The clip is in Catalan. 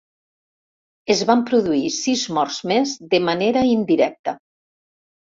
Es van produir sis morts més de manera indirecta.